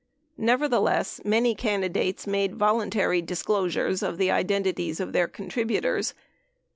Nevertheless, many candidates made voluntary disclosures of the identities of their con tributors.